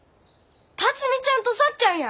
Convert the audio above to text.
辰美ちゃんとさっちゃんや。